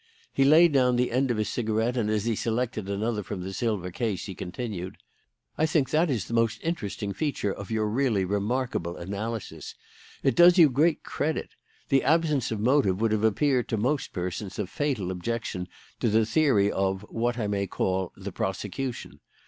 He laid down the end of his cigarette, and, as he selected another from the silver case, he continued: "I think that is the most interesting feature of your really remarkable analysis. It does you great credit. The absence of motive would have appeared to most persons a fatal objection to the theory of, what I may call, the prosecution.